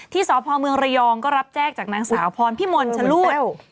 สพเมืองระยองก็รับแจ้งจากนางสาวพรพิมลชะลูด